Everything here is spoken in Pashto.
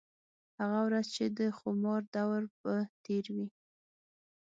هغه ورځ چې د خومار دَور به تېر وي